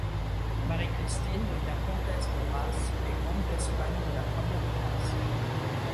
Marie-Christine devient comtesse de Rasse et grande d'Espagne de la première classe.